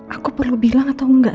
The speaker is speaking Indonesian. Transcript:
aku perlu bilang atau enggak